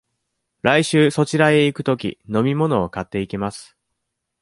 来週そちらへ行くとき、飲み物を買っていきます。